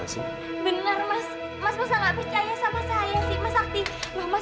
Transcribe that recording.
aduh lontar lita